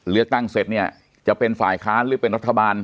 เลือกตั้งเสร็จเนี่ยจะเป็นฝ่ายค้านหรือเป็นรัฐบาล